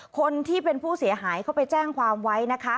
คนที่เป็นผู้เสียหายเขาไปแจ้งความไว้นะคะ